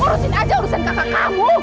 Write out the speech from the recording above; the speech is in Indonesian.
terusin aja urusan kakak kamu